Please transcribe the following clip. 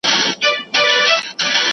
د دولتي لګښتونو تنظيم يې ضروري ګڼلی و.